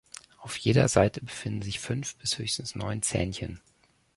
Auf jeder Seite befinden sich fünf bis höchstens neun Zähnchen.